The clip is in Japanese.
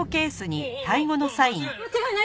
間違いない。